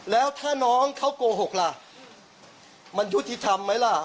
แล้วถ้าน้องเขาโกหกล่ะมันยุติธรรมไหมล่ะ